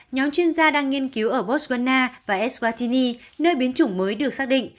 nhóm chuyên gia đang nghiên cứu ở botswana và eswattini nơi biến chủng mới được xác định